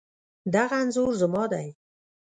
دغه انځور زما دی